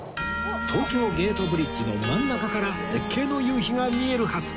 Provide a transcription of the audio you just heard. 東京ゲートブリッジの真ん中から絶景の夕日が見えるはず